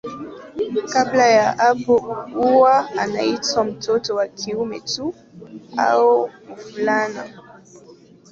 Kabla ya hapo huwa anaitwa mtoto wa kiume tu au mvulana.